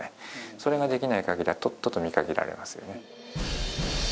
それができない限りはとっとと見限られますよね。